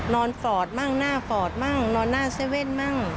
ฟอร์ดมั่งหน้าฟอร์ดมั่งนอนหน้าเว่นมั่ง